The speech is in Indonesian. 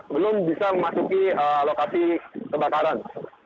belum bisa memasuki lokasi kebakaran